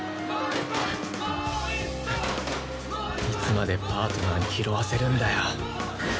いつまでパートナーに拾わせるんだよ！